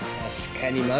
確かに。